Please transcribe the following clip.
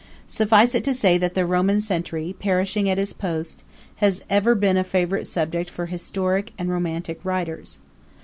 Suffice it to say that the Roman sentry, perishing at his post, has ever been a favorite subject for historic and romantic writers.